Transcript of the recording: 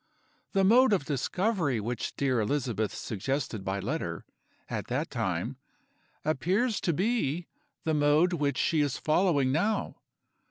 The mode of discovery which dear Elizabeth suggested by letter, at that time, appears to be the mode which she is following now.